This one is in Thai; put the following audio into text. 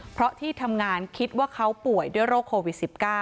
เพราะที่ทำงานคิดว่าเขาป่วยด้วยโรคโควิด๑๙